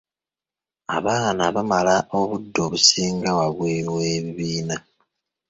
Abaana bamala obudde obusinga wabweru w'ebibiina.